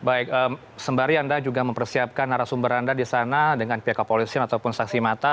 baik sembari anda juga mempersiapkan narasumber anda di sana dengan pihak kepolisian ataupun saksi mata